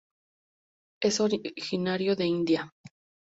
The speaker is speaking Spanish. Es originario de India.